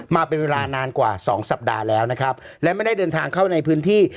มาเป็นเวลานานกว่าสองสัปดาห์แล้วนะครับและไม่ได้เดินทางเข้าในพื้นที่